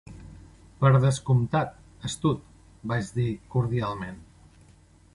"Per descomptat, astut" vaig dir cordialment.